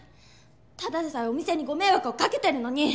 ただでさえお店にご迷惑をかけてるのに！